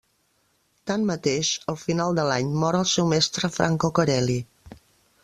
Tanmateix, al final de l'any, mor el seu mestre Franco Corelli.